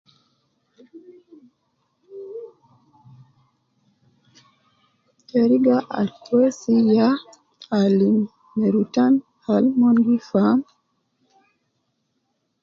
Teriga al kwesi ya alim me rutan al mon gi faam